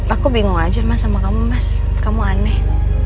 aku bingung aja mas sama kamu mas kamu aneh